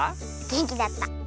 げんきだった。